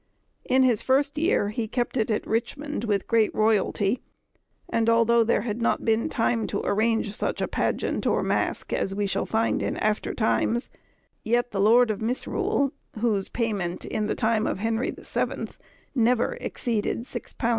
In his first year he kept it at Richmond with great royalty, and although there had not been time to arrange such a pageant or masque as we shall find in after times, yet the lord of Misrule, whose payment, in the time of Henry the Seventh, never exceeded £6 13_s.